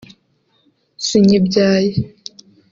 “sinyibyaye